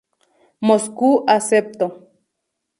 Moscú acepto.